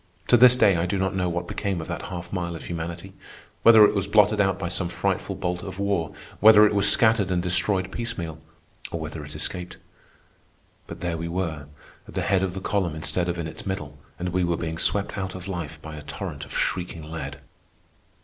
To this day I do not know what became of that half mile of humanity—whether it was blotted out by some frightful bolt of war, whether it was scattered and destroyed piecemeal, or whether it escaped. But there we were, at the head of the column instead of in its middle, and we were being swept out of life by a torrent of shrieking lead.